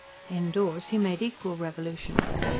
Indoors he made equal revolution.